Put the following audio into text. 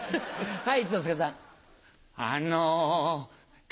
はい！